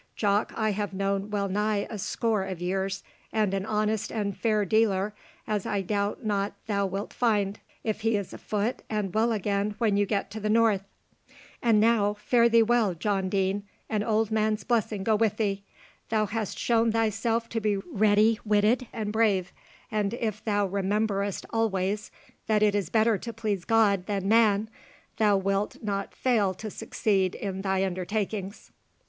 Jock I have known well nigh a score of years, and an honest and fair dealer, as I doubt not thou wilt find, if he is afoot and well again when you get to the north. And now, fare thee well, John Deane, an old man's blessing go with thee! Thou hast shown thyself to be ready witted and brave, and if thou rememberest always that it is better to please God than man, thou wilt not fail to succeed in thy undertakings."